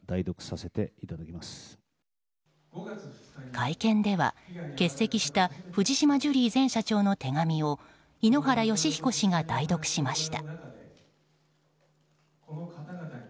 会見では欠席した藤島ジュリー前社長の手紙を井ノ原快彦氏が代読しました。